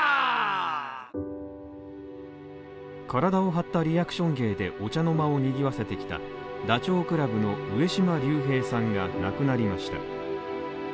体を張ったリアクション芸でお茶の間を賑わせてきたダチョウ倶楽部の上島竜兵さんが亡くなりました。